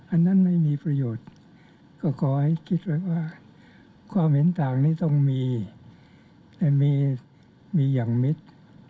อันนั้นไม่มีประโยชน์ก็ขอให้คิดไว้ว่าความเห็นต่างนี้ต้องมีแต่มีอย่างมิตร